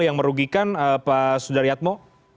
yang merugikan pak sudaryatmo